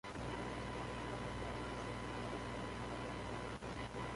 تا شتێکم نەدەنێ نابێ دە شتم لێ بستێنن